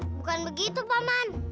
bukan begitu paman